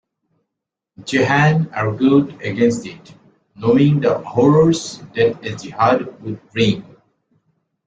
Jehanne argues against it, knowing the horrors that a jihad would bring.